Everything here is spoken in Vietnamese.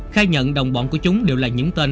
khai nhận đồng bọn của chúng đều là những tên